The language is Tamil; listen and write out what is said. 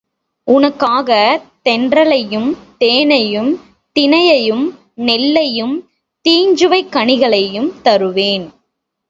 உனக்காகத் தென்றலையும், தேனையும், தினையையும், நெல்லையும், தீஞ்சுவைக் கனிகளையும் தருவேன்.